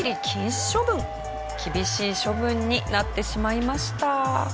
厳しい処分になってしまいました。